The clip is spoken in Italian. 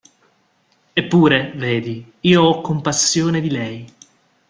Eppure, vedi, io ho compassione di lei.